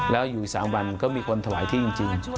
แล้วอยู่๓วันก็มีคนถวายที่จริง